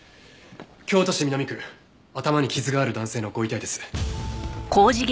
京都市南区頭に傷がある男性のご遺体です。